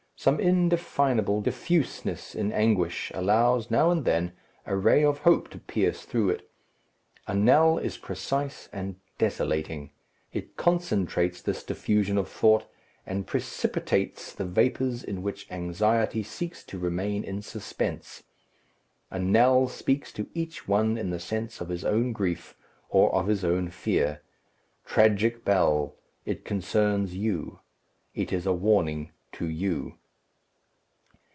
Some indefinable diffuseness in anguish allows now and then a ray of hope to pierce through it. A knell is precise and desolating. It concentrates this diffusion of thought, and precipitates the vapours in which anxiety seeks to remain in suspense. A knell speaks to each one in the sense of his own grief or of his own fear. Tragic bell! it concerns you. It is a warning to you.